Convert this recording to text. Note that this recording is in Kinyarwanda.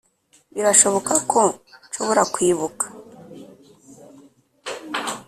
birashoboka ko nshobora kwibuka,